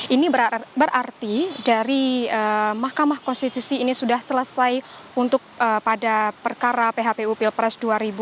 ini berarti dari mahkamah konstitusi ini sudah selesai untuk pada perkara phpu pilpres dua ribu dua puluh